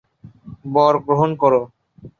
বর গ্রহণ কর।